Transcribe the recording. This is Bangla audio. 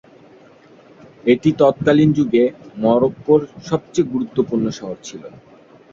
এটি তৎকালীন যুগে মরক্কোর সবচেয়ে গুরুত্বপূর্ণ শহর ছিল।